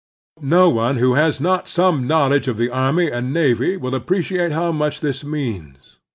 No one who has not some knowledge of the army and navy will appreciate how much this means.